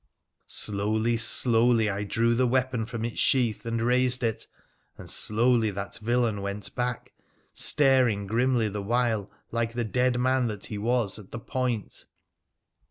Slowly, slowly I drew the weapon from its sheath and raised it, and slowly that villain went back, staring grimly the while, like the dead man that he was, at the point.